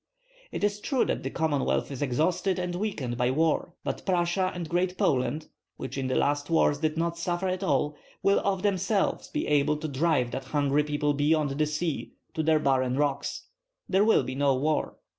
It is true that the Commonwealth is exhausted and weakened by war; but Prussia and Great Poland, which in the last wars did not suffer at all, will of themselves be able to drive that hungry people beyond the sea to their barren rocks. There will be no war."